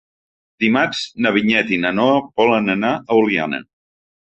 Dimarts na Vinyet i na Noa volen anar a Oliana.